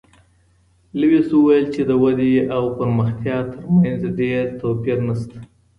لویس وویل چی د ودي او پرمختیا ترمنځ ډېر توپیر نشته.